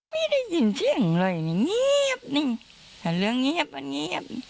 ไม่ได้ยินเสียงเลยนี่เงียบนี่แต่เรื่องเงียบอ่ะเงียบ